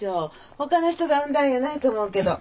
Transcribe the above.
ほかの人が産んだんやないと思うけど。